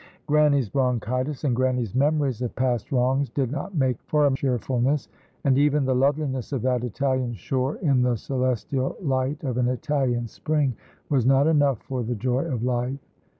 Grannie's bronchitis and Grannie's memories of past wrongs did not make for cheerfulness; and even the loveliness of that Italian shore in the celestial light of an Italian spring was not enough for the joy of life.